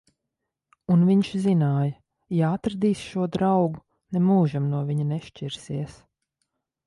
Un viņš zināja: ja atradīs šo draugu, nemūžam no viņa nešķirsies.